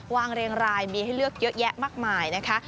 เรียงรายมีให้เลือกเยอะแยะมากมายนะคะ